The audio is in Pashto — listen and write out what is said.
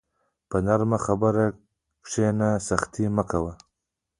په نرمه خبره کښېنه، سختي مه کوه.